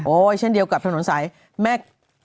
เช่นเดียวกับถนนสายแม่